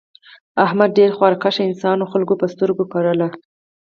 احمد ډېر خواریکښ انسان و خلکو په سترگو کړلا.